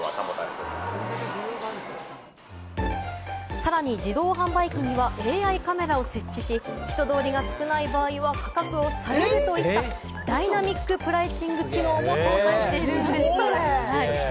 さらに自動販売機にはＡＩカメラを設置し、人通りが少ない場合は価格を下げるといったダイナミックプライシング機能も搭載しているんです。